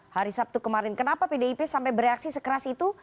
hari sabtu kemarin kenapa pdip sampai bereaksi sekeras itu